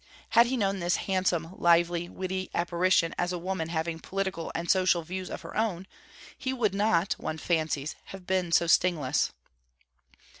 Had he known this 'handsome, lively, witty' apparition as a woman having political and social views of her own, he would not, one fancies, have been so stingless.